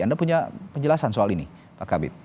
anda punya penjelasan soal ini pak kabit